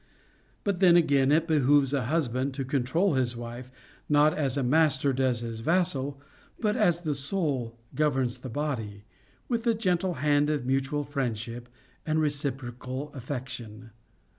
But then again, it behooves a hus band to control his wife, not as a master does his vassal, but as the soul governs the body, with the gentle hand of mutual friendship and reciprocal affection.